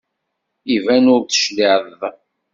Iban ur d-tecliεeḍ.